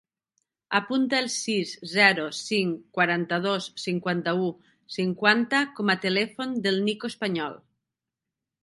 Apunta el sis, zero, cinc, quaranta-dos, cinquanta-u, cinquanta com a telèfon del Nico Español.